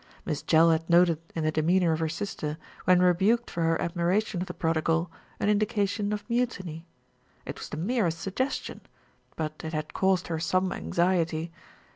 Miss Jell had noted in the de meanour of her sister, when rebuked for her admiration of the prodigal, an indication of mutiny. It was the merest suggestion; but it had caused her some anxiety.